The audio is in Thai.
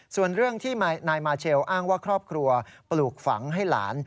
ส่วนเรื่องที่นายมาเชลอ้างว่าครอบครัวปลูกฝังให้หลาน